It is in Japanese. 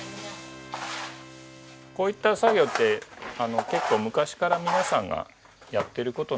こういった作業って結構昔から皆さんがやってる事なんですよね。